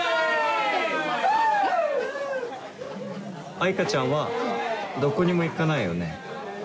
藍花ちゃんはどこにも行かないよね？